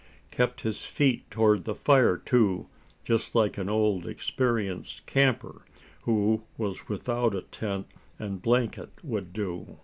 Kept his feet toward the fire, too, just like an old experienced camper, who was without a tent and blanket would do.